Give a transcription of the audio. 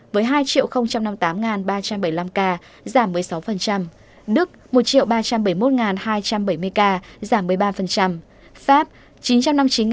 với hai năm mươi tám ba trăm bảy mươi năm ca giảm một mươi sáu đức một ba trăm bảy mươi một hai trăm bảy mươi ca giảm một mươi ba pháp chín trăm năm mươi chín tám mươi bốn ca tăng một mươi ba